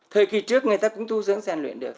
thời kỳ trước người ta cũng tu dưỡng rèn luyện được